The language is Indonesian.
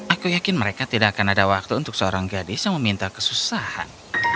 aku yakin mereka tidak akan ada waktu untuk seorang gadis yang meminta kesusahan